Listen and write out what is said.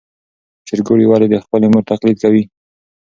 چرګوړي ولې د خپلې مور تقلید کوي؟